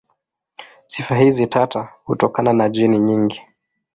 Sifa hizi tata hutokana na jeni nyingi.